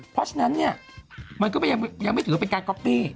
เพราะฉะนั้นเนี่ยมันก็ยังไม่ถือว่าเป็นการก๊อปปี้